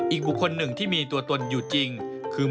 อีกบุคคลหนึ่งที่มีตัวตนอยู่จริงคือ